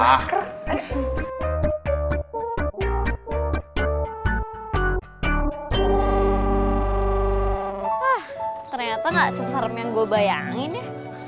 hah ternyata gak seseram yang gue bayangin ya